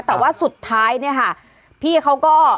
แต่ว่าสุดท้ายเนี่ยค่ะพี่เขาก็